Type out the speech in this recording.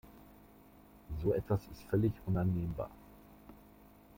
So etwas ist völlig unannehmbar.